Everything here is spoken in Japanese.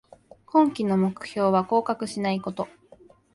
今季の目標は降格しないこと